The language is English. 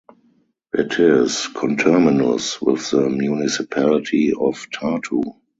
It is conterminous with the municipality of Tartu.